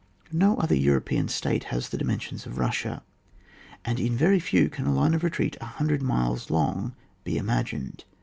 No other European state has the di mensions of Bussia, and in very few can a line of retreat 100 miles long be imagined.